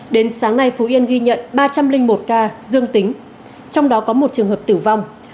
đến sáng nay phú yên ghi nhận ba trăm linh một ca dương tính trong đó có một trường hợp tử vong